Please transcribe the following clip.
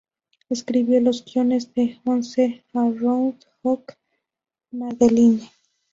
Escribió los guiones de "Once Around, Hook", "Madeline".